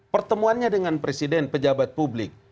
pertemuannya dengan presiden pejabat publik